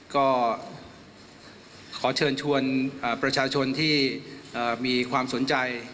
ก็ขอเชิญชวนประชาชนที่มีความสนใจ